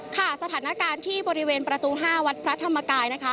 ค่ะสถานการณ์ที่บริเวณประตู๕วัดพระธรรมกายนะคะ